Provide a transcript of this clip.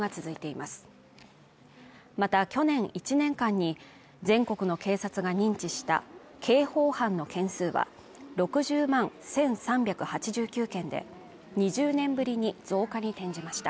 また去年１年間に全国の警察が認知した刑法犯の件数は６０万１３８９件で２０年ぶりに増加に転じました